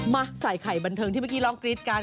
มาใส่ไข่บันเทิงที่เมื่อกี้ร้องกรี๊ดกัน